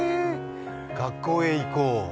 「学校へ行こう」